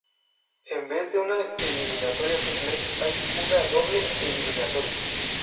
En vez de una eliminatoria simple hay una doble eliminatoria.